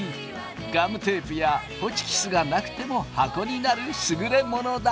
ガムテープやホチキスがなくても箱になる優れものだ。